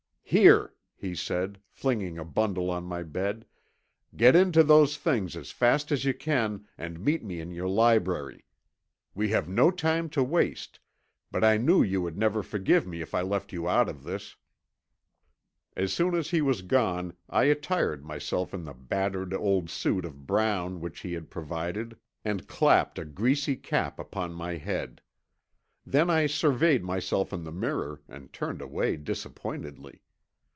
"Here," he said, flinging a bundle on my bed, "get into those things as fast as you can, and meet me in your library. We have no time to waste, but I knew you would never forgive me if I left you out of this." As soon as he was gone I attired myself in the battered old suit of brown which he had provided, and clapped a greasy cap upon my head. Then I surveyed myself in the mirror and turned away disappointedly.